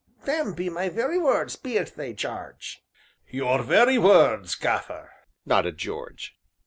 Them be my very words, bean't they, Jarge?" "Your very words, Gaffer," nodded George.